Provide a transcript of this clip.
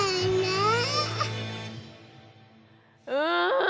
うん！